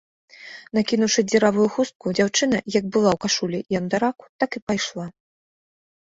Накінуўшы дзіравую хустку, дзяўчына, як была ў кашулі і андараку, так і пайшла.